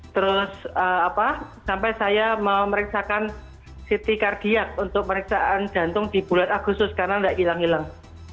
terus sampai saya memeriksakan siti kardiak untuk pemeriksaan jantung di bulan agustus karena tidak hilang hilang